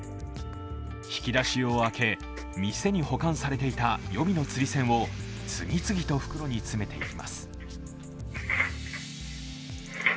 引き出しを開け、店に保管されていた予備の釣り銭を次々と袋に詰めていきます。